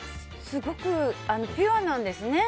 すごくピュアなんですね。